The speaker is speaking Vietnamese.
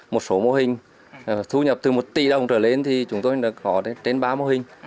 một số mô hình thu nhập từ một tỷ đồng trở lên thì chúng tôi đã có trên ba mô hình